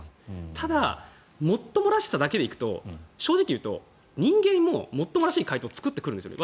ただ、もっともらしさだけで行くと正直言うと人間も、もっともらしい回答を作ってくるんですよね。